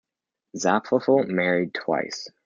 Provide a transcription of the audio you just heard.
Zapffe married twice.